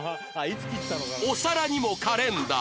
お皿にもカレンダー